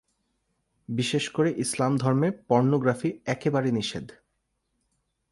বিশেষ করে ইসলাম ধর্মে পর্নোগ্রাফি একেবারে নিষেধ।